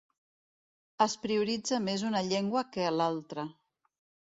Es prioritza més una llengua que l'altra.